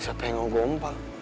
siapa yang mau gombal